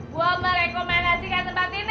gue merekomendasikan tempat ini